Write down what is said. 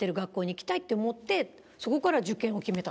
そこから受験を決めた。